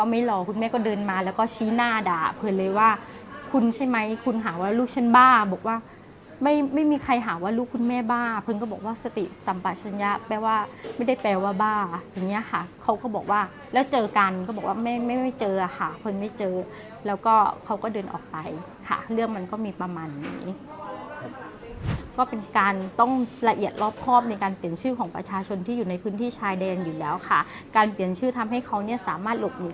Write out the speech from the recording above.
ไม่หล่อคุณแม่ก็เดินมาแล้วก็ชี้หน้าด่าเพลินเลยว่าคุณใช่ไหมคุณหาว่าลูกฉันบ้าบอกว่าไม่มีใครหาว่าลูกคุณแม่บ้าเพลินก็บอกว่าสติสัมปัชญะแปลว่าไม่ได้แปลว่าบ้าอย่างนี้ค่ะเขาก็บอกว่าแล้วเจอกันก็บอกว่าไม่ไม่เจอค่ะเพลินไม่เจอแล้วก็เขาก็เดินออกไปค่ะเรื่องมันก็มีประมาณนี้ก็เป็นการต